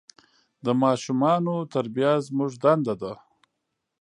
د ماشومان تربیه زموږ دنده ده.